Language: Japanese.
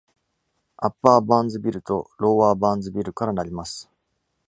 アッパーバーンズビルとロワーバーンズビルから成ります。